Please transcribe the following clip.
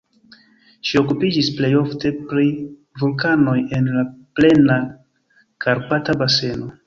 Ŝi okupiĝis plej ofte pri vulkanoj en la plena Karpata baseno.